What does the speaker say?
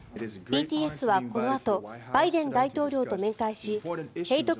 ＢＴＳは、このあとバイデン大統領と面会しヘイト